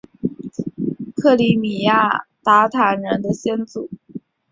克里米亚鞑靼人的先祖？